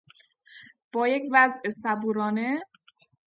یا یک وضع صبورانه